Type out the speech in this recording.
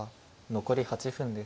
残り８分です。